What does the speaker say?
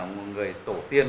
một người tổ tiên